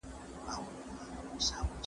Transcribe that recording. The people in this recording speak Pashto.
لور خپل نظر له مور څخه نه دی پټ کړی.